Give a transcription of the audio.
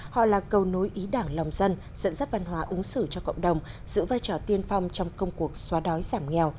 họ là cầu nối ý đảng lòng dân dẫn dắt văn hóa ứng xử cho cộng đồng giữ vai trò tiên phong trong công cuộc xóa đói giảm nghèo